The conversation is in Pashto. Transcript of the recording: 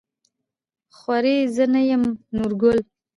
خورې زه يم نورګل.